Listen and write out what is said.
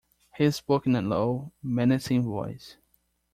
He spoke in a low, menacing voice.